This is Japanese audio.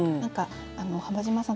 浜島さん